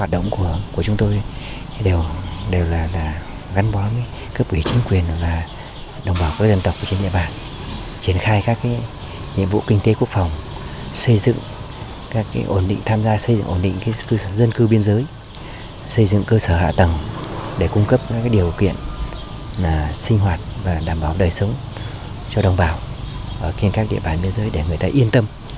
đồng bào xin hỏi và đảm bảo đời sống cho đồng bào ở trên các địa bàn biên giới để người ta yên tâm